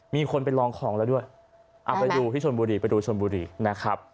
มีคนไปลองของแล้วด้วยไปดูชนบุรีนะครับ